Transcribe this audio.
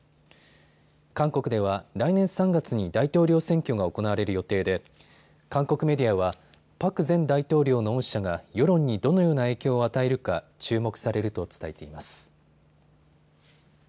韓国では来年３月に大統領選挙が行われる予定で韓国メディアはパク前大統領の恩赦が世論にどのような影響を与えるか注目されると伝えています。